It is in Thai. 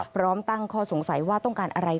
พร้อมตั้งข้อสงสัยว่าต้องการอะไร